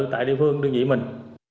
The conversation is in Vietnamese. tại địa phương đơn vị mình